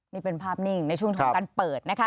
นี่เป็นภาพนิ่งในช่วงของการเปิดนะคะ